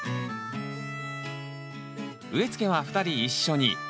植えつけは２人一緒に。